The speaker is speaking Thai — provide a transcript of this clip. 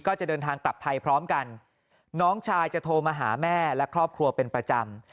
ก็จะเดินทางกลับไทยพร้อมกันน้องชายจะโทรมาหาแม่และครอบครัวเป็นประจำ